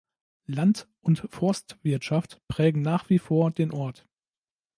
Land- und Forstwirtschaft prägen nach wie vor den Ort.